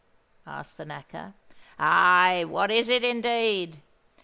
asked the Knacker. "Aye, what is it, indeed?